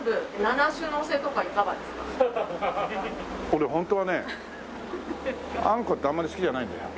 俺ホントはねあんこってあんまり好きじゃないんだよ。